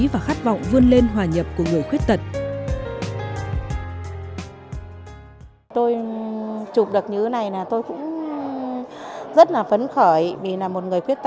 và khát vọng vươn lên hòa nhập của người khuyết tật